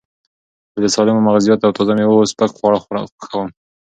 زه د سالمو مغزیاتو او تازه مېوو سپک خواړه خوښوم.